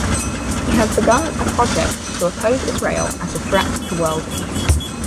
He has begun a project to oppose Israel as a threat to world peace.